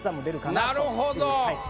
なるほど。